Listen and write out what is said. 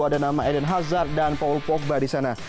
ada nama eden hazar dan paul pogba di sana